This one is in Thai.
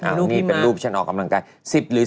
อันนี้เป็นรูปฉันออกกำลังกาย